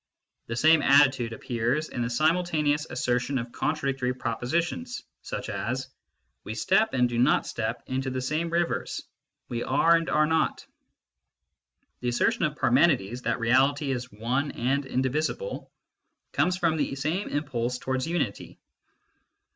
The same attitude appears in the simultaneous assertion of contradictory pro positions, such as :" We step and do not step into the same rivers ; we are and are not." The assertion of Par menides, that reality is one and indivisible, comes from the same impulse towards unity.